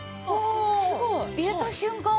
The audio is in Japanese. すごい！入れた瞬間